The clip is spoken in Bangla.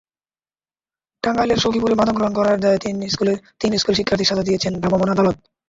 টাঙ্গাইলের সখীপুরে মাদক গ্রহণ করার দায়ে তিন স্কুলশিক্ষার্থীকে সাজা দিয়েছেন ভ্রাম্যমাণ আদালত।